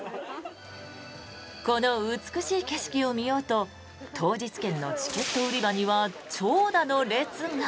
この美しい景色を見ようと当日券のチケット売り場には長蛇の列が。